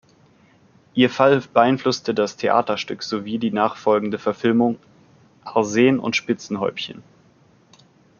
Ihr Fall beeinflusste das Theaterstück sowie die nachfolgende Verfilmung "Arsen und Spitzenhäubchen".